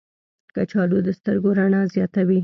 کچالو د سترګو رڼا زیاتوي.